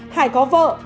hải có vợ